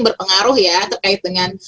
berpengaruh ya terkait dengan